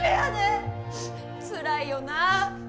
つらいよなあ。